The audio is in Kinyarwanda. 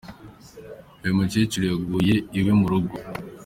Uyu mukecuru yaguye iwe mu rugo.